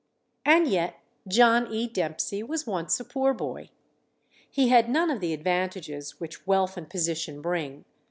And yet, John E. Dempsey was once a poor boy. He had none of the advantages which wealth and position bring.